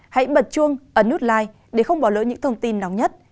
hãy bật chuông ấn nút like để không bỏ lỡ những thông tin nóng nhất